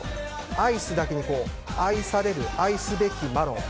アイスだけに、愛される、愛すべきマロン。